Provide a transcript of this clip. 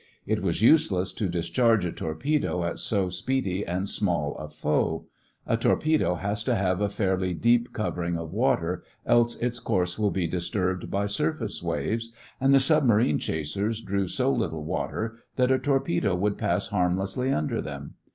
It was useless to discharge a torpedo at so speedy and small a foe. A torpedo has to have a fairly deep covering of water, else its course will be disturbed by surface waves; and the submarine chasers drew so little water that a torpedo would pass harmlessly under them.